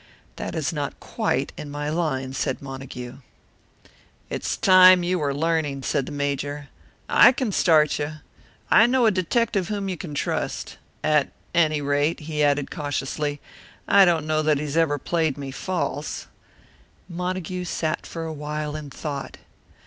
"That is not QUITE in my line," said Montague. "It's time you were learning," said the Major. "I can start you. I know a detective whom you can trust. At any rate," he added cautiously, "I don't know that he's ever played me false." Montague sat for a while in thought.